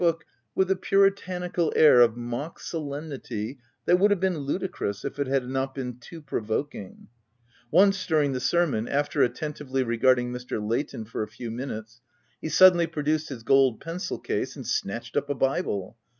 book, with a puritanical air of mock solemnity that would have been ludicrous, if it had not been too provoking. Once, during the sermon, after OF WILDFELL HALL. 15 attentively regarding Mr. Leighton for a few minutes, he suddenly produced his gold pencil case and snatched up a bible.